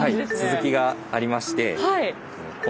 続きがありましてこの。